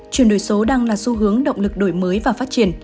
chuyển đổi số đang là xu hướng động lực đổi mới và phát triển